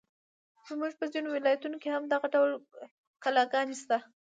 زموږ په ځینو ولایتونو کې هم دغه ډول کلاګانې شته.